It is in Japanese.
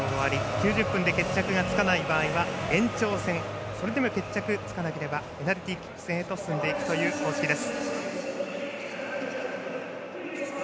９０分で決着がつかない場合は延長戦それでも決着がつかなければペナルティーキック戦へと進んでいくという方式です。